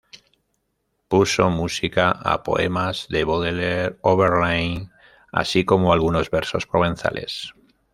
Puso música a poemas de Baudelaire o Verlaine, así como algunos versos provenzales.